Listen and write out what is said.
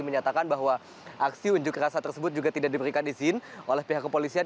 menyatakan bahwa aksi unjuk rasa tersebut juga tidak diberikan izin oleh pihak kepolisian